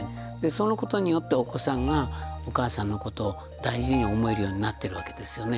そのことによってお子さんがお母さんのことを大事に思えるようになってるわけですよね。